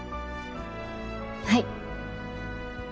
はい。